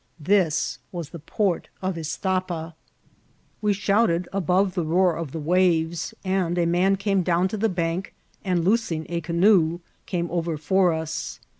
This was the port of Istapa. We diouted above the roar of the waves, and a man came down to the bank, and loosing a canoe, came over for us.